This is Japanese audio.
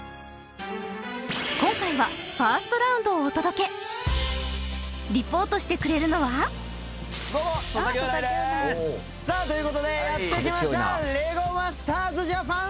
今回はファーストラウンドをお届けリポートしてくれるのはどうも土佐兄弟ですさあということでやってきましたレゴマスターズＪＡＰＡＮ